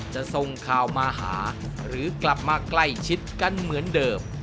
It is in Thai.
ส่งข่าวมาหาหรือกลับมาใกล้ชิดกันเหมือนเดิม